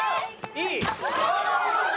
いい！